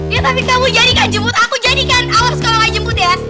ya tapi kamu jadikan jemput aku jadikan awal sekali gue jemput ya